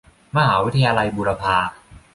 มหาวิทยาลัยบูรพา